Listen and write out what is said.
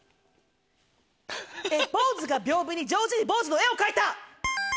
坊主が屏風に上手に坊主の絵を描いた！